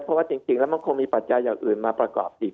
เพราะว่าจริงแล้วมันคงมีปัจจัยอย่างอื่นมาประกอบอีก